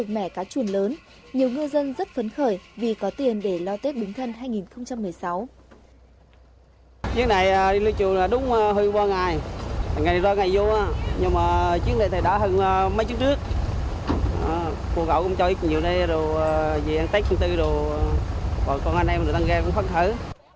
các chủ tàu và ngư dân lao động trên tàu đã không được mẻ cá chuồn lớn nhiều ngư dân rất phấn khởi vì có tiền để lo tết bình thân hai nghìn một mươi sáu